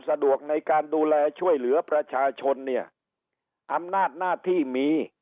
สะดวกในการดูแลช่วยเหลือประชาชนเนี่ยอำนาจหน้าที่มี